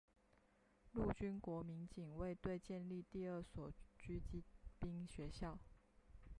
陆军国民警卫队建立第二所狙击兵学校。